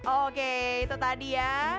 oke itu tadi ya